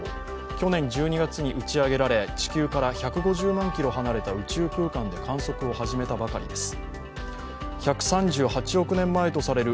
去年１２月に、打ち上げられ地球から１５０万ｋｍ離れた宇宙空間で観測を始めたばかりです。